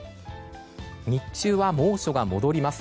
日中は猛暑が戻ります。